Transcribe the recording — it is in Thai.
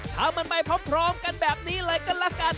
ทำมันไปพร้อมกันแบบนี้เลยก็ละกัน